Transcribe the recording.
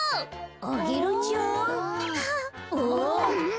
アゲルちゃん？あっ。